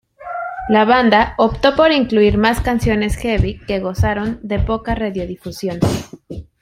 La banda optó por incluir más canciones "heavy", que gozaron de poca radiodifusión.